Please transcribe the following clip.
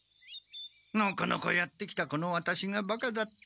のこのこやって来たこのワタシがバカだった。